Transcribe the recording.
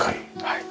はい。